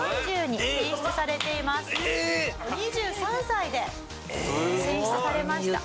２３歳で選出されました。